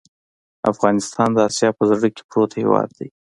افغانستان د آسیا په زړه کې پروت هېواد دی.